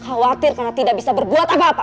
khawatir karena tidak bisa berbuat apa apa